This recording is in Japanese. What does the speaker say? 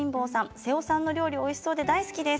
瀬尾さんの料理おいしそうで大好きです。